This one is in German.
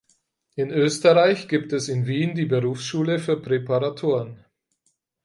In Österreich gibt es in Wien die Berufsschule für Präparatoren.